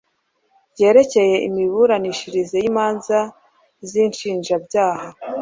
ryerekeye imiburanishirize y imanza z inshinjabyaha